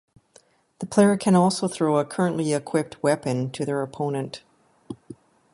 The player can also throw a currently equipped weapon to their opponent.